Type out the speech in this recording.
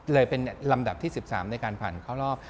เลยเป็นลำดับที่๑๓ในการผ่านเข้ารอบ